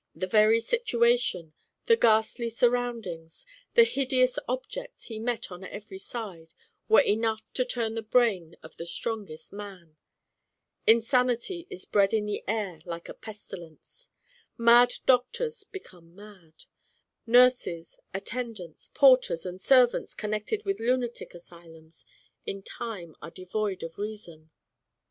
The very situation, the ghastly surroundings, the hideous objects he met on every side, were enough to turn the brain of the strongest man. Insanity is Digitized by Google CLEMENT SCOTT, 223 bred in the air like a pestilence. Mad doctors become mad. Nurses, attendants, porters, and servants connected with lunatic asylums in time are devoid of reason.